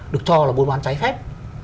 được cho là buôn bán giải phép